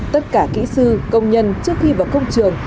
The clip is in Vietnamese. tất cả kỹ sư công nhân trước khi vào công trường